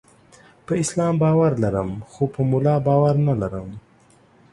په اسلام باور لرم، خو په مولا باور نلرم.